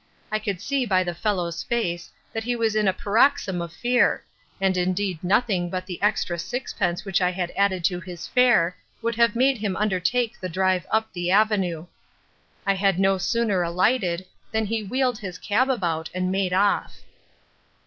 I could see by the fellow's face that he was in a paroxysm of fear, and indeed nothing but the extra sixpence which I had added to his fare would have made him undertake the drive up the avenue. I had no sooner alighted than he wheeled his cab about and made off.